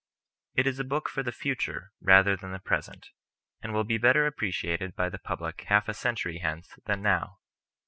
It is a book for the future rather than the present, and will be better appreciated by the public half a cen tury hence than now.